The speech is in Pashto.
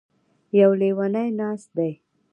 يـو ليونی نـاست دی.